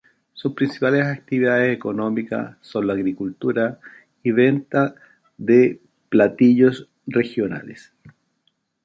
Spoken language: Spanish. Su principales actividades económicas son la agricultura y venta de platillos regionales.